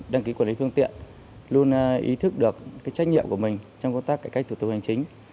đăng ký quản lý phương tiện luôn ý thức được trách nhiệm của mình trong công tác cải cách thủ tục hành chính